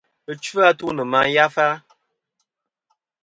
Ɨchu-atu nɨ̀ màyafa.